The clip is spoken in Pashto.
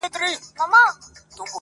چي مي سترګي د یار و وینم پیالو کي .